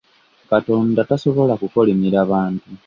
Katonda tasobola kukolimira bantu.